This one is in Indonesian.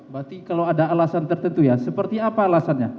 berarti kalau ada alasan tertentu ya seperti apa alasannya